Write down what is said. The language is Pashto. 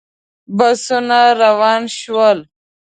بسونه روان شول.